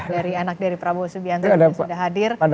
dari anak dari prabowo subianto juga sudah hadir